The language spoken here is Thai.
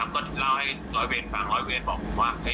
ฟังอันเดียวเอาเรื่องหรอกอะไรอย่างนี้